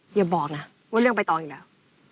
อย่าบอกนะว่าเรื่องใบตองอีกแล้ว